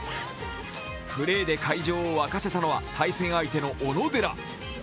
プレーで会場を沸かせたのは対戦相手の小野寺。